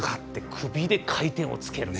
首で回転をつける。